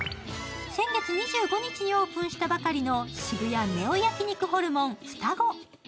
先月２５日にオープンしたばかりの渋谷ネオ焼肉・ホルモンふたご。